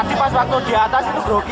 tapi pas waktu di atas itu grogi nggak